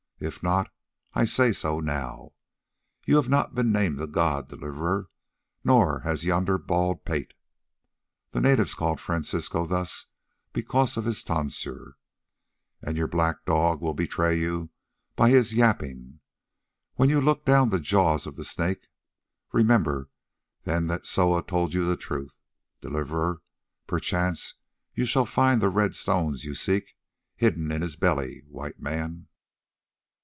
If not, I say so now. You have not been named a god, Deliverer, nor has yonder Bald pate"—the natives called Francisco thus because of his tonsure—"and your black dog will betray you by his yapping. When you look down the jaws of the Snake, remember then that Soa told you the truth, Deliverer. Perchance you shall find the red stones you seek hidden in his belly, White Man."